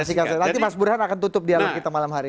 nanti mas burhan akan tutup dialog kita malam hari